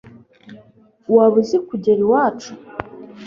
waba uzi kugera iwacu